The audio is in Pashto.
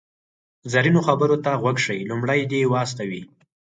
زرینو خبرو ته غوږ شئ، لومړی دې و استوئ.